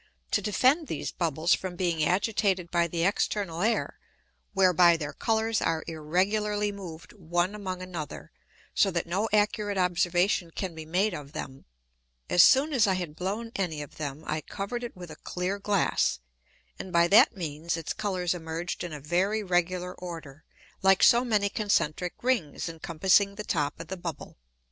To defend these Bubbles from being agitated by the external Air (whereby their Colours are irregularly moved one among another, so that no accurate Observation can be made of them,) as soon as I had blown any of them I cover'd it with a clear Glass, and by that means its Colours emerged in a very regular order, like so many concentrick Rings encompassing the top of the Bubble.